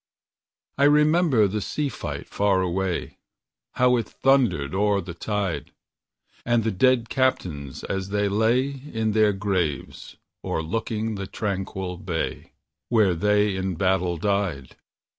I remember the sea fight far away, How it thundered o'er the tide! And the dead captains, as they lay In their graves, o'erlooking the tranquil bay, Where they in battle died.